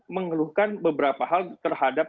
mengeluhkan beberapa hal terhadap